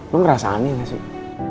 lo merasa aneh gak sih